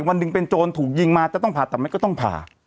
วันหนึ่งเป็นโจรถูกยิงมาจะต้องผ่าตัดไหมก็ต้องผ่า